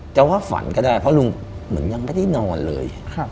จะว่าฝันก็ได้เพราะลุงเหมือนยังไม่ได้นอนเลย